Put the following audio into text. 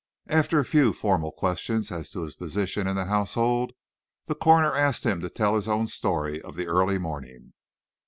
After a few formal questions as to his position in the household, the coroner asked him to tell his own story of the early morning.